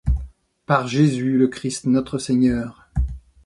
Par Jésus, le Christ, notre Seigneur.